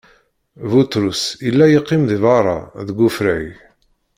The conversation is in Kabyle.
Buṭrus illa yeqqim di beṛṛa, deg ufrag.